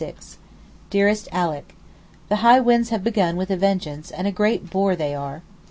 DEAREST ALICK, The high winds have begun with a vengeance and a great bore they are.